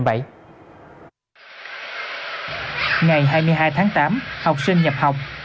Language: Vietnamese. ngày hai mươi hai tháng tám học sinh nhập học